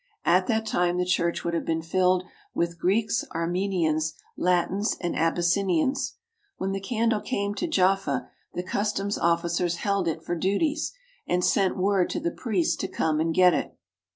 At that time the church would have been filled with Greeks, Armenians, Latins, and Abyssinians. When the candle came to Jaffa, the cus toms officers held it for duties, and sent word to the priests to come and get it.